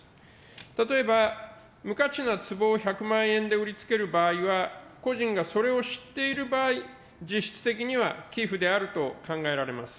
例えば、無価値なつぼを１００万円で売りつける場合は、個人がそれを知っている場合、実質的には寄付であると考えられます。